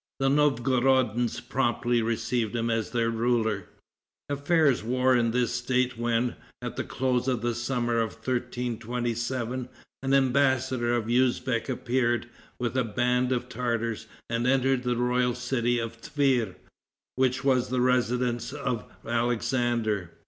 The Novgorodians promptly received him as their ruler. Affairs wore in this State when, at the close of the summer of 1327, an embassador of Usbeck appeared, with a band of Tartars, and entered the royal city of Tver, which was the residence of Alexander.